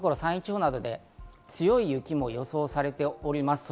ところどころ山陰地方などで強い雪も予想されております。